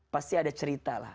pasti ada cerita lah